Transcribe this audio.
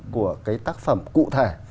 của cái tác phẩm cụ thể